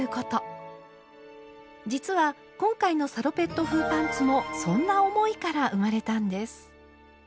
実は今回のサロペット風パンツもそんな思いから生まれたんです。